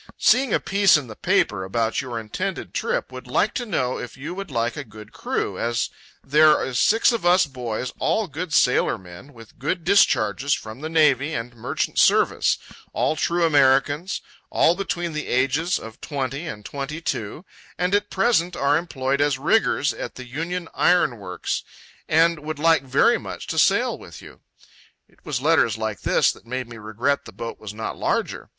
"Seeing a piece in the paper about your intended trip, would like to know if you would like a good crew, as there is six of us boys all good sailor men, with good discharges from the Navy and Merchant Service, all true Americans, all between the ages of 20 and 22, and at present are employed as riggers at the Union Iron Works, and would like very much to sail with you."—It was letters like this that made me regret the boat was not larger.